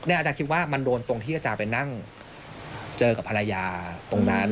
อาจารย์คิดว่ามันโดนตรงที่อาจารย์ไปนั่งเจอกับภรรยาตรงนั้น